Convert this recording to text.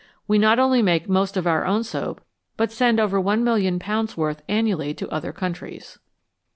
We not only make most of our own soap, but send over <!, 000,000 worth annually to other countries.